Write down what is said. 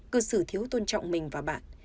cư xử thiếu tôn trọng mình và bạn